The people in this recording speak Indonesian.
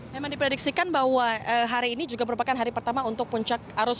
memang diprediksikan bahwa hari ini juga merupakan hari pertama untuk puncak arus